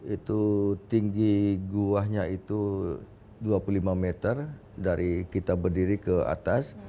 itu tinggi guanya itu dua puluh lima meter dari kita berdiri ke atas